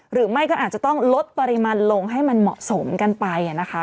หรือไม่ก็อาจจะต้องลดปริมาณลงให้มันเหมาะสมกันไปนะคะ